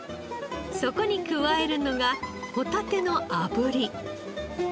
そこに加えるのがホタテの炙り。